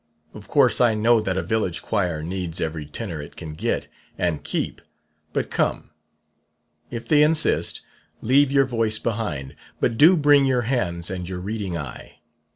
Of course I know that a village choir needs every tenor it can get and keep; but come. If they insist, leave your voice behind; but do bring your hands and your reading eye.